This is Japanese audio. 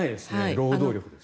労働力です。